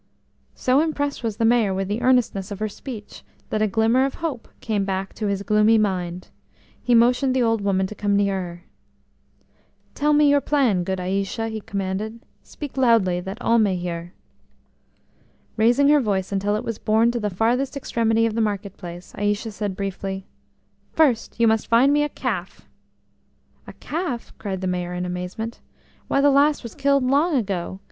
So impressed was the Mayor with the earnestness of her speech, that a glimmer of hope came back to his gloomy mind: he motioned the old woman to come nearer. "Tell me your plan, good Aïcha," he commanded. "Speak loudly, that all may hear." Raising her voice until it was borne to the farthest extremity of the market place, Aïcha said briefly: "First you must find me a calf!" "A calf?" cried the Mayor in amazement. "Why, the last was killed long ago.